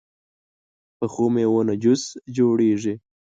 پخو میوو نه جوس جوړېږي